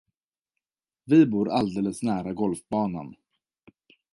Vi bor alldeles nära golfbanan.